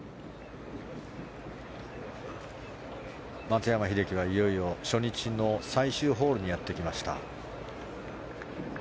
松山英樹はいよいよ、初日の最終ホールにやってきました。